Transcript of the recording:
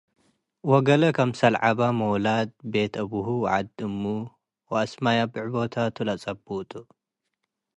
ወገሌ ክምሰል ዐበ ሞላድ ቤት-አብሁ ወዐድ-እሙ ወአስማይ አብዕቦታቱ ለአጸቡጡ ።